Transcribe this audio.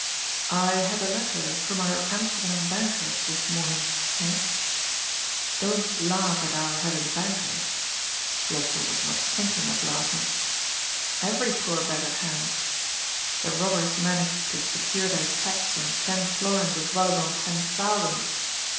" I had a letter from our Amsterdam bankers this mom THE MARRIAGE LOTTERY. I57 ing, Henk. — ^Don't laugh at our haying bankers " (Lossell was not thinking of laughing). ^ Every poor beggar has. The robbers manage to secure their tax on ten florins as well as on ten thousand.